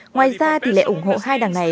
ngoài ra thì lệ ủng hộ hai đảng này